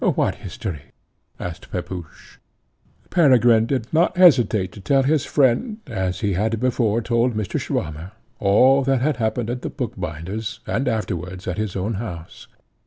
"What history?" asked Pepusch. Peregrine did not hesitate to tell his friend, as he had before told Mr. Swammer, all that had happened at the bookbinder's, and afterwards at his own house.